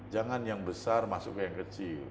jangan yang besar masuk ke yang kecil